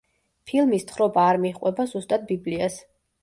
ფილმის თხრობა არ მიჰყვება ზუსტად ბიბლიას.